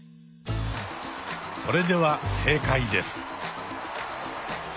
それでは正解です。